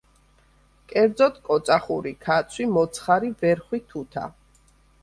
კერძოდ, კოწახური, ქაცვი, მოცხარი, ვერხვი, თუთა.